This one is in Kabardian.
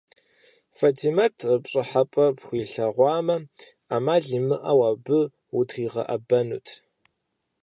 Фэтимэт пщӏыхьэпэ пхуилъагъуамэ, ӏэмал имыӏэу абы утригъэӏэбэнут.